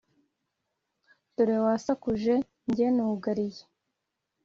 Dore wasakuje jye nugaliye